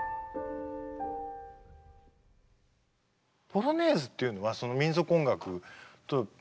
「ポロネーズ」っていうのは民族音楽のことをいう？